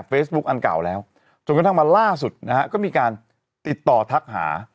อันเก่าแล้วจนกระทั่งมาล่าสุดนะฮะก็มีการติดต่อทักหา